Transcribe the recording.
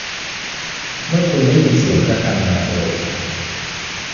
เมื่อคุณได้ยินเสียงระฆังมาเร็ว